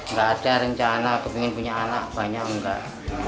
nggak ada rencana ingin punya anak banyak enggak